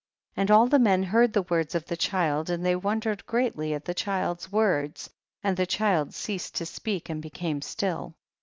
67. And all the men heard the words of the child and they wonder ed greatly at the child's words, and the child ceased to speak and be came still.